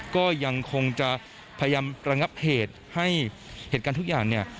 ก็ยังคงจะพยายามระงับเหตุให้เหตุการณ์ทุกอย่างเนี่ย